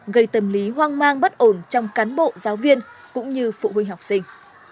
gây tâm lý hoang mang bất ổn trong cán bộ giáo viên cũng như phụ huynh học sinh